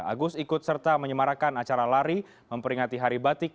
agus ikut serta menyemarakan acara lari memperingati hari batik